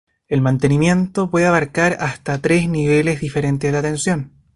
El mantenimiento puede abarcar hasta tres niveles diferentes de atención.